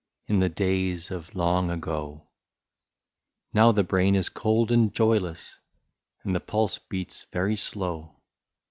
In the days of long ago ! Now the brain is cold and joyless. And the pulse beats very slow.